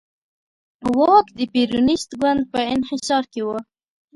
واک د پېرونېست ګوند په انحصار کې و.